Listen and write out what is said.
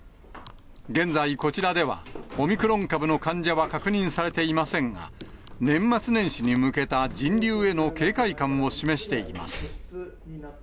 現在、こちらではオミクロン株の患者は確認されていませんが、年末年始に向けた人流への警戒感を示しています。